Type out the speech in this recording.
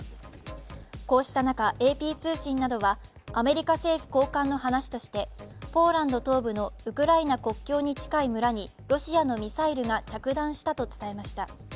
こうした中、ＡＰ通信などはアメリカ政府高官の話として、ポーランド東部のウクライナ国境に近い村にロシアのミサイルが着弾したと伝えました。